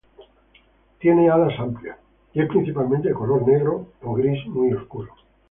Tiene amplias alas, y es principalmente de color negro o gris muy oscuro.